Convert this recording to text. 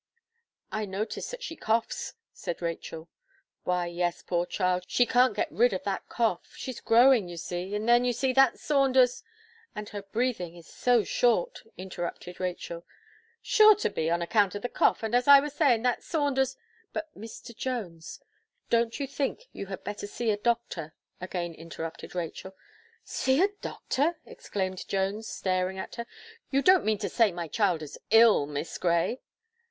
"I notice that she coughs," said Rachel "Why, yes, poor child; she can't get rid of that cough she's growing, you see. And then, you see, that Saunders " "And her breathing is so short," interrupted Rachel. "Sure to be, on account of the cough. And, as I was saying, that Saunders " "But, Mr. Jones, don't you think you had better see a doctor?" again interrupted Rachel. "See a doctor!" exclaimed Jones, staring at her. "You don't mean to say my child is ill, Miss Gray?"